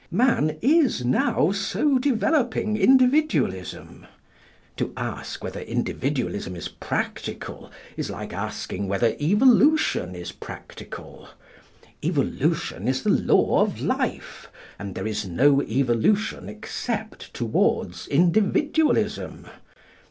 Man is now so developing Individualism. To ask whether Individualism is practical is like asking whether Evolution is practical. Evolution is the law of life, and there is no evolution except towards Individualism.